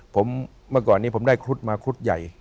ผมเมื่อก่อนนี้ผมได้ครุฑมาครุฑใหญ่